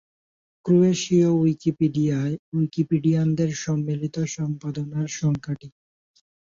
ক্রোয়েশীয় উইকিপিডিয়ায় উইকিপিডিয়ানদের সম্মিলিত সম্পাদনার সংখ্যা টি।